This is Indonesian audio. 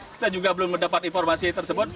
kita juga belum mendapat informasi tersebut